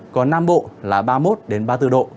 còn nam bộ là ba mươi một ba mươi bốn độ